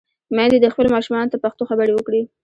میندې دې خپلو ماشومانو ته پښتو خبرې وکړي.